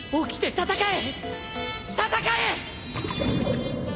戦え！！